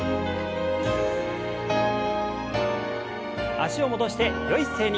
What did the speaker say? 脚を戻してよい姿勢に。